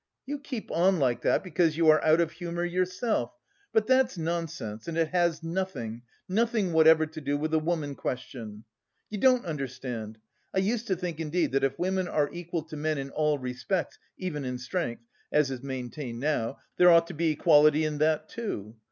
"You keep on like that because you are out of humour yourself.... But that's nonsense and it has nothing, nothing whatever to do with the woman question! You don't understand; I used to think, indeed, that if women are equal to men in all respects, even in strength (as is maintained now) there ought to be equality in that, too.